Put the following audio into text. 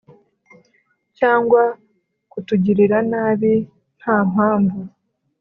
cyangwa kutugirira nabi Nta mpamvu